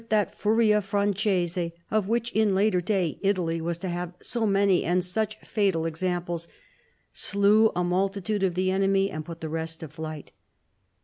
tJhi, riaJ^rance8e of which in a later day Italy was to have so many and such fatal examples, slew a multitude of tin enemy and put the rest to flight.